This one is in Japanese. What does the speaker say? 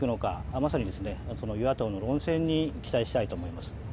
まさに与野党の論戦に期待したいと思います。